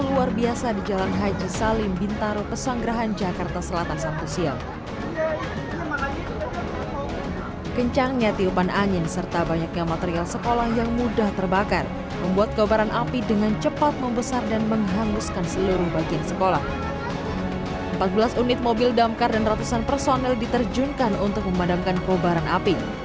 untuk memadamkan kerubahan api